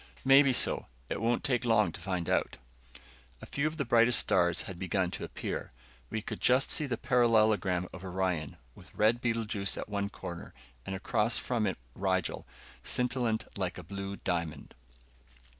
"Maybe so. It won't take long to find out." A few of the brightest stars had begun to appear. We could just see the parallelogram of Orion, with red Betelguese at one corner, and across from it Rigel, scintillant like a blue diamond.